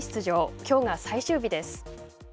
きょうが最終日です。